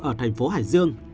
ở thành phố hải dương